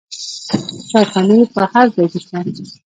چایخانې په هر ځای کې شته.